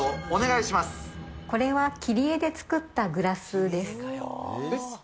お願いしこれは切り絵で作ったグラスえっ？